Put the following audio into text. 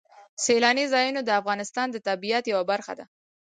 سیلاني ځایونه د افغانستان د طبیعت یوه برخه ده.